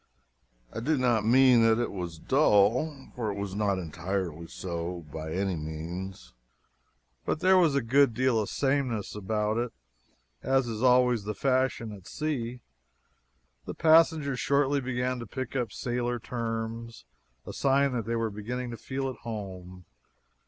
I do not mean that it was dull, for it was not entirely so by any means but there was a good deal of sameness about it. As is always the fashion at sea, the passengers shortly began to pick up sailor terms a sign that they were beginning to feel at home.